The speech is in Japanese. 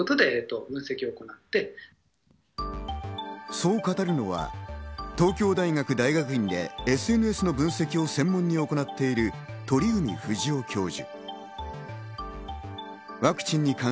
そう語るのは東京大学大学院でＳＮＳの分析を専門に行っている鳥海不二夫教授。